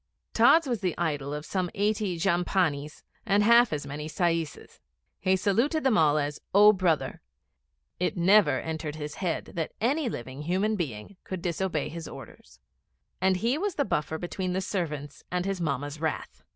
Tods was the idol of some eighty jhampanis, and half as many saises. He saluted them all as 'O Brother.' It never entered his head that any living human being could disobey his orders; and he was the buffer between the servants and his Mamma's wrath.